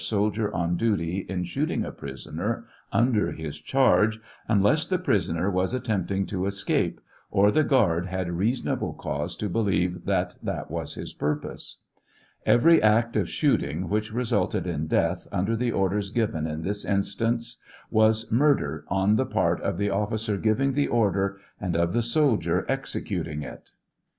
soldier oa dutyin shooting a prisoner under his charge, unless the pris oner was attempting to escape, or the guard had reasonable cause to believe that that was his purpose. Every act of shooting which resulted in death, under the orders given in this instance, was murder on the part of the officer giving the order, and of the sol dier executing it.